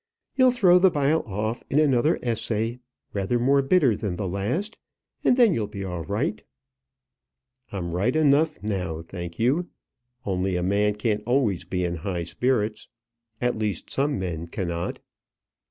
You'll throw the bile off in another essay, rather more bitter than the last, and then you'll be all right." "I'm right enough now, thank you. Only a man can't always be in high spirits. At least, some men cannot."